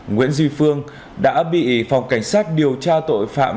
nguyễn duy phương đã bị phòng cảnh sát điều tra tội phạm